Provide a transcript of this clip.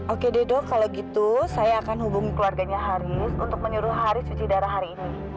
oke deh dok kalau gitu saya akan hubungi keluarganya haris untuk menyuruh hari cuci darah hari ini